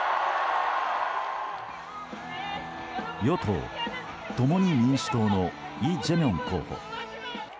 与党・共に民主党のイ・ジェミョン候補。